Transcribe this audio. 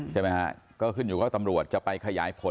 ใช่ไหมฮะก็ขึ้นอยู่ก็ตำรวจจะไปขยายผล